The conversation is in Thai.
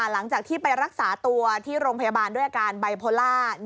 หลังจากที่ไปรักษาตัวที่โรงพยาบาลด้วยอาการไบโพล่า